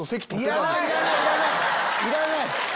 いらない！